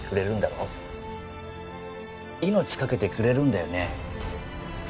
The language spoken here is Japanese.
命懸けてくれるんだよね？